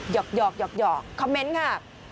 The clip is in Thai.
หอกคอมเมนต์ค่ะ